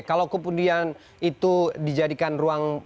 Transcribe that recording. kalau kemudian itu dijadikan ruang